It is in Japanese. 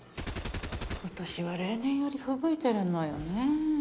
今年は例年よりふぶいてるのよね。